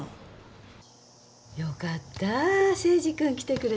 よかった誠治君来てくれて。